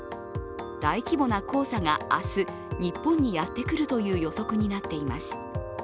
大規模な黄砂が明日、日本にやってくるという予測になっています。